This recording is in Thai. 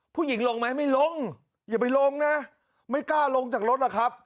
ผู้หญิงลงไหมไม่ลงอย่าไปลงนะไม่กล้าลงจากรถหรอกครับ